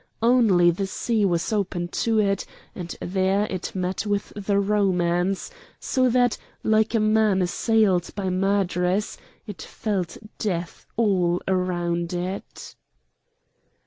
Only the sea was open to it, and there it met with the Romans; so that, like a man assailed by murderers, it felt death all around it.